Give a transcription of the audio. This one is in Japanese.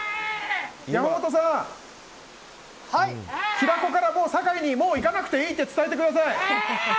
山本さん、平子から酒井にもう行かなくていいって伝えてください。